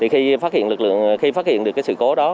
khi phát hiện được sự cố đó